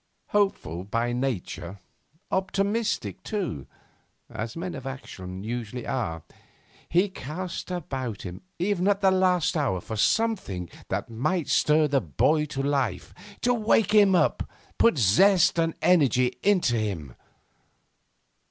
Hopeful by nature, optimistic, too, as men of action usually are, he cast about him, even at the last hour, for something that might stir the boy to life, wake him up, put zest and energy into him.